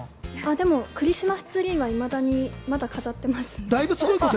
でも、クリスマスツリーはいまだにまだ飾っています。